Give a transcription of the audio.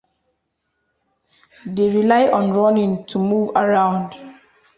They rely on running to move around.